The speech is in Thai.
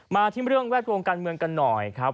ที่เรื่องแวดวงการเมืองกันหน่อยครับ